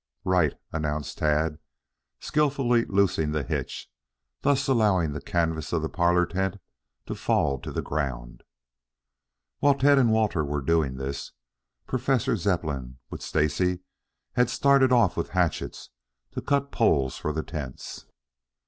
"Right," announced Tad, skillfully loosening the hitch, thus allowing the canvas of the parlor tent to fall to the ground. While Tad and Walter were doing this, Professor Zepplin with Stacy had started off with hatchets to cut poles for the tents.